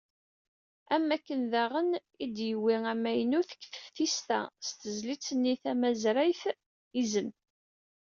Am wakken, daɣen i d-yewwi amaynut deg tesfift-a s tezlit-nni tamazrayt "Izem."